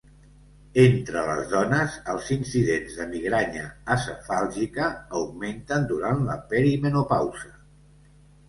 Entre les dones, els incidents de migranya acefàlgica augmenten durant la perimenopausa.